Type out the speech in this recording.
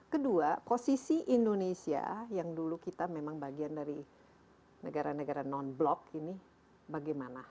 kedua posisi indonesia yang dulu kita memang bagian dari negara negara non blok ini bagaimana